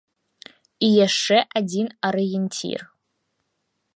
І яшчэ адзін арыенцір.